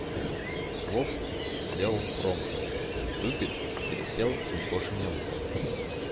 Весловский сделал промах, и дупель пересел в некошенный луг.